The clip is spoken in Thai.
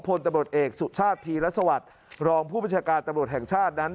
พลตบริโภตเอกสุชาติธรรษวรรษรองผู้บัญชาการตบริโภตแห่งชาตินั้น